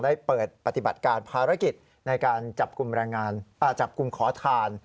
ได้เปิดปฏิบัติการภารกิจในการจับกลุ่มคอทาน